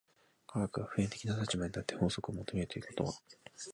科学が普遍的な立場に立って法則を求めるということは、